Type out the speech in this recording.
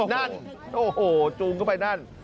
นั่นโอ้โหจูงเข้าไปนั่น